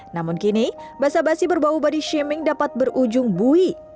namun kini basa basi berbau body shaming dapat berujung bui